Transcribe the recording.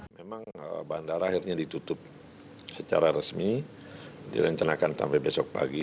memang bandara akhirnya ditutup secara resmi direncanakan sampai besok pagi